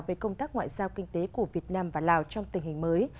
về công tác ngoại giao kinh tế của việt nam và lào trong tình hình mới